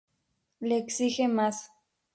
Le exige más.